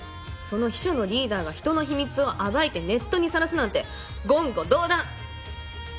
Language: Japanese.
その秘書のリーダーが人の秘密を暴いてネットにさらすなんて言語道断！